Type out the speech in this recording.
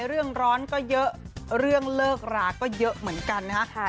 ร้อนก็เยอะเรื่องเลิกราก็เยอะเหมือนกันนะฮะ